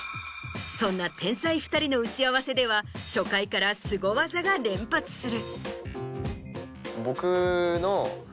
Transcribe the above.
そんな天才２人の打ち合わせでは初回からすご技が連発する。